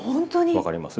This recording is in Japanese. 分かります？